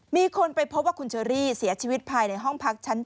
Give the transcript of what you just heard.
มีคนไปพบว่าคุณเชอรี่เสียชีวิตภายในห้องพักชั้น๗